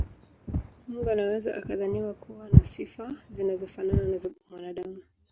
Mungu anaweza akadhaniwa kuwa na sifa zinazofanana na za mwanaadamu